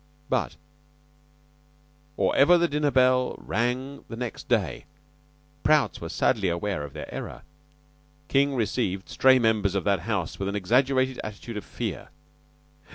But or ever the dinner bell rang the next day Prout's were sadly aware of their error. King received stray members of that house with an exaggerated attitude of fear.